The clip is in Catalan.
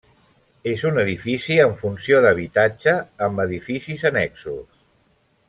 És un edifici amb funció d'habitatge, amb edificis annexos.